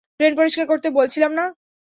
Drain পরিষ্কার করতে বলেছিলাম না?